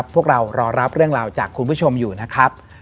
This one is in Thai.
พวกเรารอรับเรื่องราวจากคุณผู้ชมอยู่นะครับ